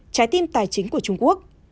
trái tim tài chính của trung quốc